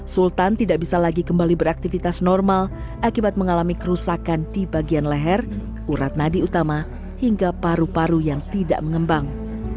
sultan tidak bisa lagi kembali beraktivitas normal akibat mengalami kerusakan di bagian leher urat nadi utama hingga paru paru yang tidak mengembang